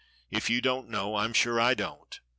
If you don't know, I'm sure I don't.